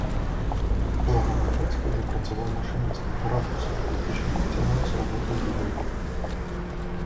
Блага, мой бацька ўжо працаваў машыністам паравоза і кішэнях цягаў з работы вугаль.